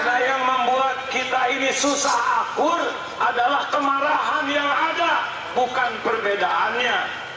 karena yang membuat kita ini susah akur adalah kemarahan yang ada bukan perbedaannya